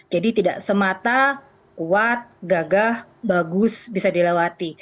jadi tidak semata kuat gagah bagus bisa dilewati